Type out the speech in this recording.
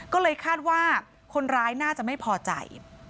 ก็เลยคาดว่าคนร้ายน่าจะไม่พอใจ